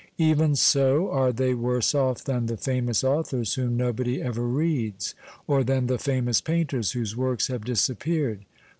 Even so, are they worse off than the famous authors whom nobody ever reads ? Or than the famous painters whose works have disappeared